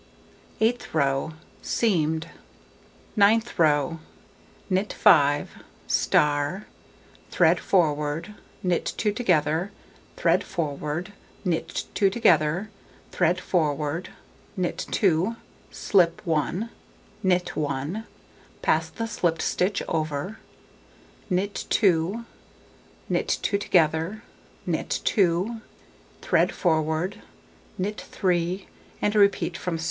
Eighth row: Seamed. Ninth row: Knit 5,* thread forward, knit 2 together, thread forward, knit 2 together, thread forward, knit 2, slip 1, knit 1, pass the slipped stitch over, knit 2, knit 2 together, knit 2, thread forward, knit 3, and repeat from *.